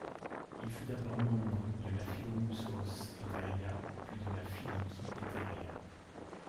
Il fut d'abord membre de la Filómousos Etería puis de la Filikí Etería.